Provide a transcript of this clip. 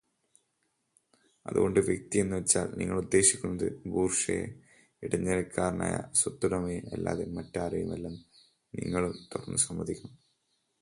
അതുകൊണ്ട് 'വ്യക്തി' എന്നുവെച്ചാൽ നിങ്ങൾ ഉദ്ദേശിക്കുന്നത് ബൂർഷ്വായെ, ഇടത്തരക്കാരനായ സ്വത്തുടമയെ, അല്ലാതെ മറ്റാരെയുമല്ലെന്നു നിങ്ങളും തുറന്നു സമ്മതിക്കണം.